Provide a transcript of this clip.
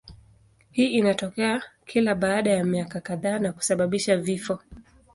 Hii inatokea kila baada ya miaka kadhaa na kusababisha vifo.